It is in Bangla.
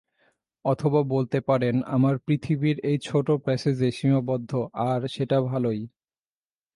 অথবা বলতে পারেন, আমার পৃথিবী এই ছোট প্যাসেজে সিমাবদ্ধ, আর সেটা ভালই।